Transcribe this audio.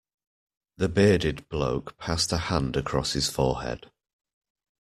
The bearded bloke passed a hand across his forehead.